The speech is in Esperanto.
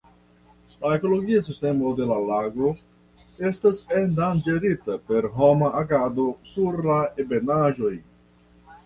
La ekologia sistemo de la lago estas endanĝerita per homa agado sur la ebenaĵoj.